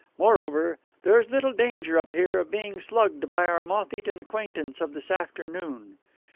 Moreover, there is little danger up here of being slugged by our moth eaten acquaintance of this afternoon.